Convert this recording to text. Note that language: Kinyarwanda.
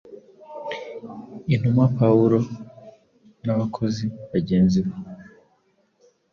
Intumwa Pawulo n’abakozi bagenzi be